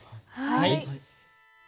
はい。